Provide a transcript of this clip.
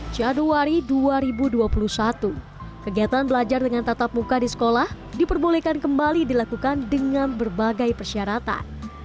januari dua ribu dua puluh satu kegiatan belajar dengan tatap muka di sekolah diperbolehkan kembali dilakukan dengan berbagai persyaratan